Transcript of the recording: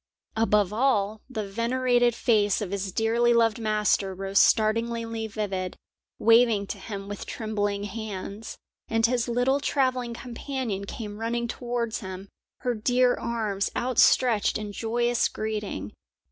Above all, the venerated face of his dearly loved master rose startlingly vivid, waving to him with trembling hands, and his little travelling companion came running towards him, her dear arms outstretched in joyous greeting.